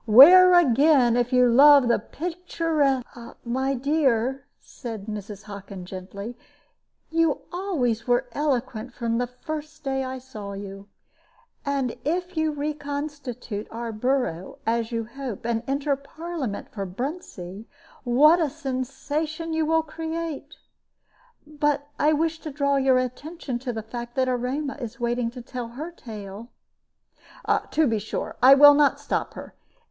Where, again, if you love the picturesque " "My dear," said Mrs. Hockin, gently, "you always were eloquent from the first day I saw you; and if you reconstitute our borough, as you hope, and enter Parliament for Bruntsea, what a sensation you will create! But I wished to draw your attention to the fact that Erema is waiting to tell her tale." "To be sure. I will not stop her.